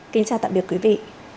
kính chào tạm biệt quý vị